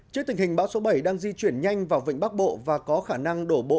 trước tình hình bão số bảy đang di chuyển nhanh vào vịnh bắc bộ và có khả năng đổ bộ